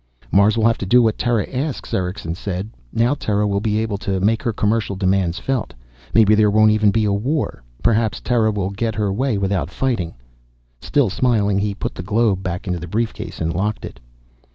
"Mars will have to do what Terra asks," Erickson said. "Now Terra will be able to make her commercial demands felt. Maybe there won't even be a war. Perhaps Terra will get her way without fighting." Still smiling, he put the globe back into the briefcase and locked it.